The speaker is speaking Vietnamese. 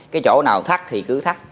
cái chỗ nào thắt thì cứ thắt